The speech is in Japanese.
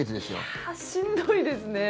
いやあ、しんどいですね。